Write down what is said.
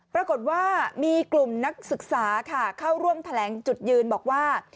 ปรากฏว่ามีกลุ่มนักศึกษาค่ะเข้าร่วมแถลงจุดยืนบอกว่า